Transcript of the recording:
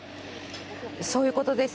そういうことです。